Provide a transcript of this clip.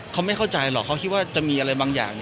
เขาไม่เข้าใจหรอกเขาคิดว่าจะมีอะไรบางอย่าง